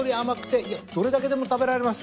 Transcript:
いやどれだけでも食べられます。